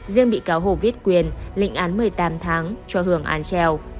riêng bị cáo hồ viết quyền lịnh án một mươi tám tháng cho hưởng án treo